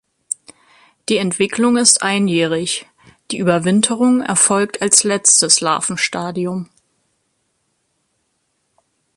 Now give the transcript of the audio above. Die Entwicklung ist einjährig, die Überwinterung erfolgt als letztes Larvenstadium.